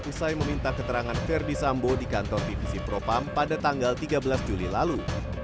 usai meminta keterangan verdi sambo di kantor divisi propam pada tanggal tiga belas juli lalu